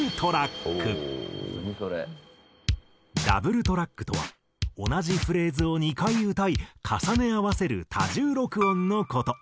ダブルトラックとは同じフレーズを２回歌い重ね合わせる多重録音の事。